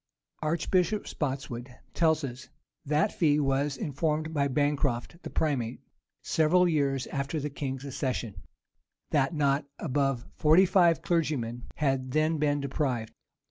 Archbishop Spotswood tells us, that fee was informed by Bancroft, the primate, several years after the king's accession, that not above forty five clergymen had then been deprived.